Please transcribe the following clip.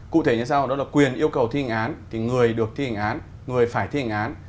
cụ thể như sau đó là quyền yêu cầu thi hành án thì người được thi hành án người phải thi hành án